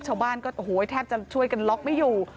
ชาวบ้านก็โอ้โหแทบจะช่วยกันล็อกไม่อยู่